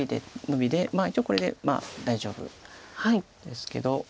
ノビで一応これで大丈夫ですけど。